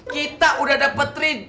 kita udah dapetin